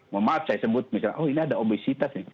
maaf saya sebut oh ini ada obesitas nih